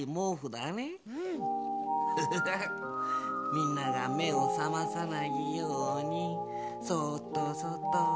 みんながめをさまさないようにそっとそっと。